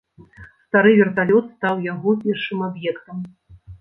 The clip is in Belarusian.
Стары верталёт стаў яго першым аб'ектам.